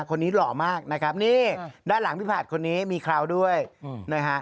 หล่อมากนะครับนี่ด้านหลังพี่ผัดคนนี้มีคราวด้วยนะฮะ